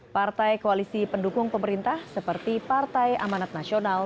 partai koalisi pendukung pemerintah seperti partai amanat nasional